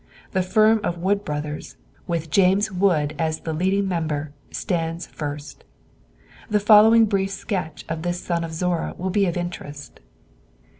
The firm of Wood Brothers, with James Wood as the leading member, stands first. The following brief sketch of this son of Zorra will be of interest.